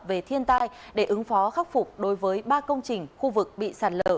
về thiên tai để ứng phó khắc phục đối với ba công trình khu vực bị sạt lở